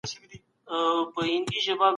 تر پایه پورې د کارګرانو شمیر زیات سوی و.